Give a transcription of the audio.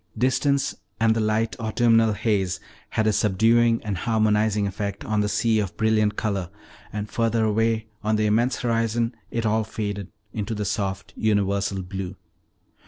Distance, and the light, autumnal haze, had a subduing and harmonizing effect on the sea of brilliant color, and further away on the immense horizon it all faded into the soft universal blue.